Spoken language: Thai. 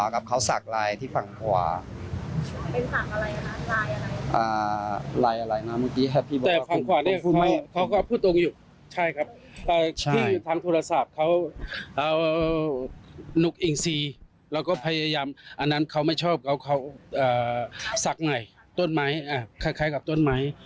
แล้วก็พยายามอันนั้นเขาไม่ชอบเขาสักใหม่ต้นไม้คล้ายกับต้นไม้